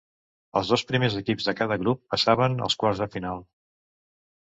Els dos primers equips de cada grup passaven als quarts de final.